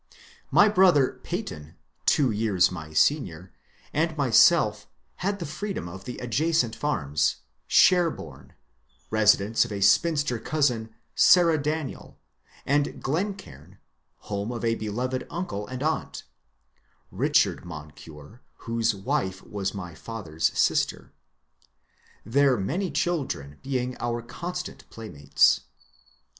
My brother Peyton, two years my senior, and myself had the freedom of the adjacent farms, —" Sherboume," residence of a spinster cousin, Sarah Daniel ; and ^^ Glencaim," home of a beloved uncle and aunt (Richard Moncure, whose wife was my father's sister), their many children being our constant playmates.